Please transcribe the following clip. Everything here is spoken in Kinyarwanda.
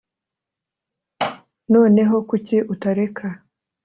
noneho kuki utareka